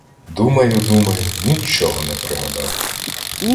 Думаю, думаю, нічого не пригадаю.